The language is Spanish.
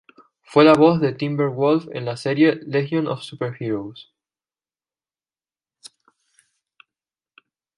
Fue la voz de Timber Wolf en la serie "Legion of Super Heroes".